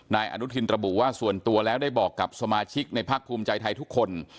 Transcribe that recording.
นายอนุทินระบุว่าส่วนตัวแล้วได้บอกกับสมาชิกในภาคภูมิใจไทยทุกคน